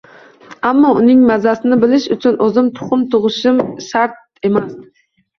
Ammo uning mazasini bilish uchun o’zim tuxum tug’ishim shart emas.